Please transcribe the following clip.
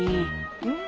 うん？